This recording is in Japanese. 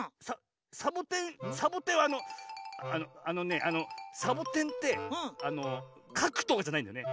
サボテンサボテンはあのあのあのねあのサボテンってあのかくとかじゃないんだよね。